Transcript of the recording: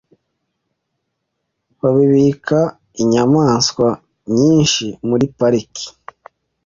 Babika inyamaswa nyinshi muri pariki.